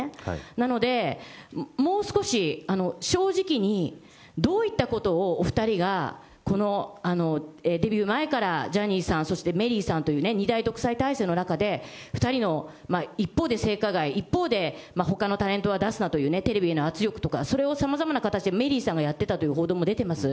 なので、もう少し正直に、どういったことをお２人が、デビュー前からジャニーさん、そしてメリーさんという２大独裁体制の中で、２人の、一方で性加害、一方でほかのタレントは出すなという、テレビへの圧力とか、それをさまざまな形でメリーさんがやってたという報道も出てます。